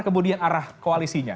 kemudian arah koalisinya